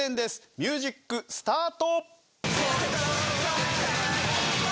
ミュージックスタート！